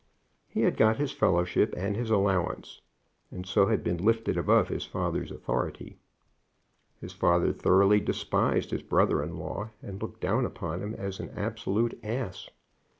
He had got his fellowship and his allowance, and so had been lifted above his father's authority. His father thoroughly despised his brother in law, and looked down upon him as an absolute ass.